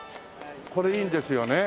これいいんですよね。